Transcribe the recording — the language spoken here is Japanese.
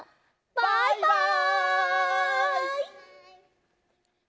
バイバイ！